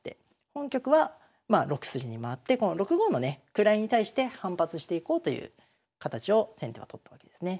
本局はまあ６筋に回ってこの６五のね位に対して反発していこうという形を先手は取ったわけですね。